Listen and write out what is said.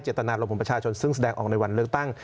ตนารมของประชาชนซึ่งแสดงออกในวันเลือกตั้ง